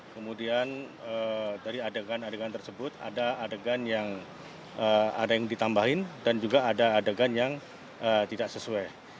kemudian dari adegan adegan tersebut ada adegan yang ada yang ditambahin dan juga ada adegan yang tidak sesuai